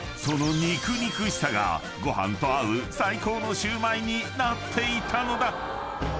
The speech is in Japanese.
［その肉々しさがご飯と合う最高のシューマイになっていたのだ］